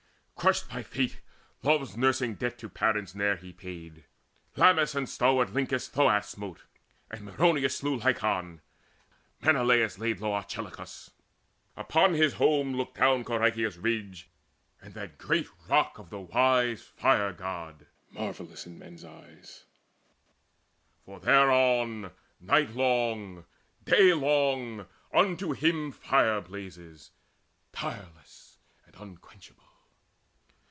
Crushed by fate, Love's nursing debt to parents ne'er he paid. Lamus and stalwart Lyncus Thoas smote, And Meriones slew Lycon; Menelaus Laid low Archelochus. Upon his home Looked down Corycia's ridge, and that great rock Of the wise Fire god, marvellous in men's eyes; For thereon, nightlong, daylong, unto him Fire blazes, tireless and unquenchable.